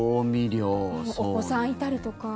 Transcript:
お子さんいたりとか。